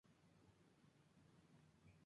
Es más gruesa que la pizarra.